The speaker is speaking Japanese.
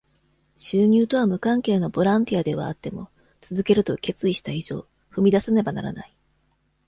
収入とは無関係のボランティアではあっても、続けると決意した以上、踏み出さねばならない。